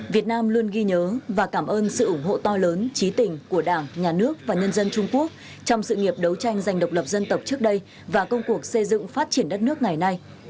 việt nam luôn ghi nhớ và cảm ơn sự ủng hộ to lớn trí tình của đảng nhà nước và nhân dân trung quốc trong sự nghiệp đấu tranh giành độc lập dân tộc trước đây và công cuộc xây dựng phát triển đất nước ngày nay